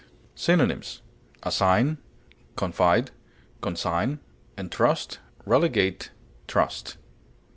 Synonyms: assign, confide, consign, entrust, relegate, trust.